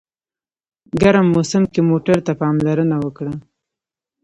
ګرم موسم کې موټر ته پاملرنه وکړه.